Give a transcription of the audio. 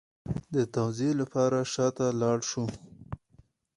د توضیح لپاره شا ته لاړ شو